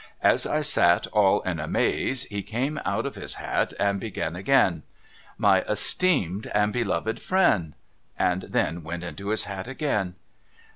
As I sat all in a maze he came out of his hat and began again. ' My esteemed and beloved friend ' and then went into his hat again.